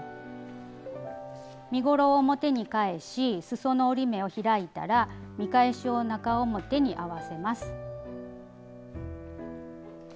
身ごろを表に返しすその折り目を開いたら見返しを中表に合わせます。